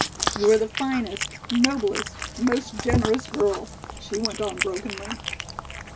"You are the finest, noblest, most generous girl," she went on brokenly.